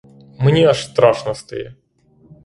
Мені аж страшно стає!